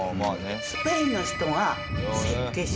スペインの人が設計した。